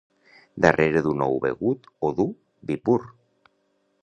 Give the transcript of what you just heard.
Darrere d'un ou begut o dur, vi pur.